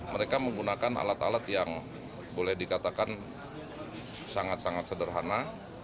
mereka menggunakan alat alat yang boleh dikatakan sangat sangat sederhana